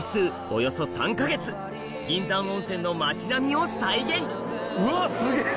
およそ３か月銀山温泉の町並みを再現うわっすげぇ！